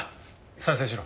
再生しろ。